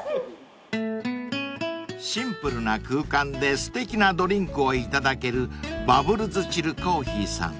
［シンプルな空間ですてきなドリンクをいただけるバブルズチルコーヒーさん］